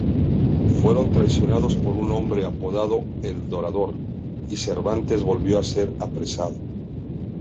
Fueron traicionados por un hombre apodado El Dorador, y Cervantes volvió a ser apresado.